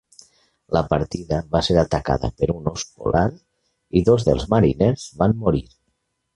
La partida va ser atacada per un ós polar i dos dels mariners van morir.